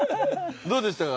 どうでしたか？